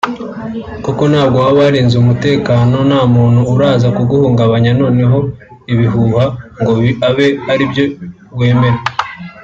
Kuko ntabwo waba warinze umutekano nta muntu uraza kuguhungabanya noneho ibihuha ngo abe aribyo wemera”